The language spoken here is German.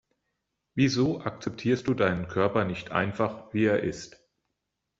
Wieso akzeptierst du deinen Körper nicht einfach, wie er ist?